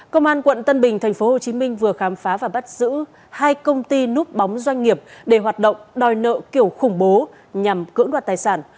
công an quận tân bình tp hcm vừa khám phá và bắt giữ hai công ty núp bóng doanh nghiệp để hoạt động đòi nợ kiểu khủng bố nhằm cưỡng đoạt tài sản